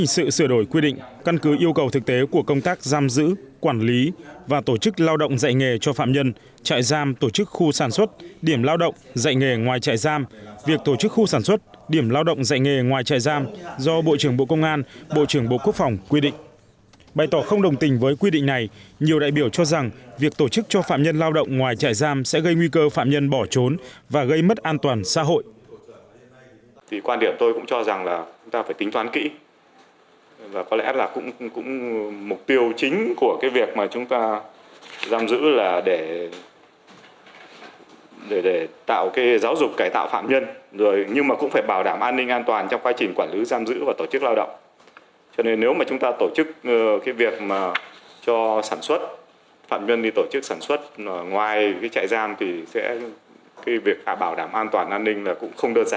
nếu mà chúng ta tổ chức cái việc cho sản xuất phạm nhân đi tổ chức sản xuất ngoài cái chạy gian thì cái việc bảo đảm an toàn an ninh là cũng không đơn giản